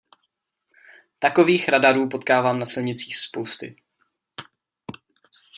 Takových radarů potkávám na silnicích spousty.